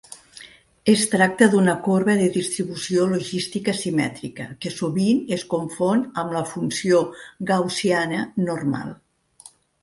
Es tracta d'una corba de distribució logística simètrica, que sovint es confon amb la funció gaussiana "normal".